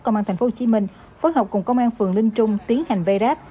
công an tp hcm phối hợp cùng công an phường linh trung tiến hành vây ráp